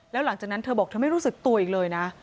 แล้วหลังจากนั้นเธอบอกเธอไม่รู้สึกตัวอีกเลยนะ